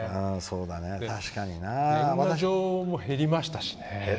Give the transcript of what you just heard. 年賀状も減りましたしね。